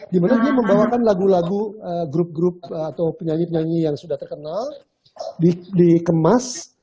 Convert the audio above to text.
dimana dia membawakan lagu lagu grup grup atau penyanyi penyanyi yang sudah terkenal dikemas